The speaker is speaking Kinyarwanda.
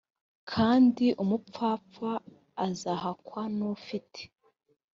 kandi umupfapfa azahakwa n’ufite